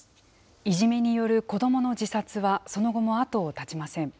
いじめによる子どもの自殺は、その後も後を絶ちません。